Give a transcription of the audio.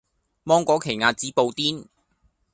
芒果奇亞籽布甸